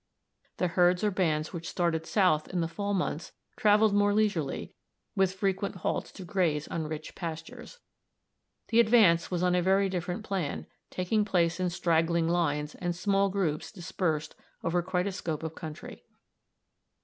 The herds or bands which started south in the fall months traveled more leisurely, with frequent halts to graze on rich pastures. The advance was on a very different plan, taking place in straggling lines and small groups dispersed over quite a scope of country.